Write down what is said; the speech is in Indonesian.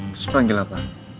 terus manggil apa